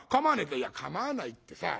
「いや構わないってさ